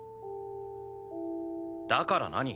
だから何？